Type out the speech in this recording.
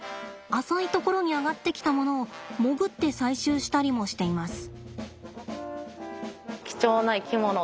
浅い所に上がってきたものを潜って採集したりもしています。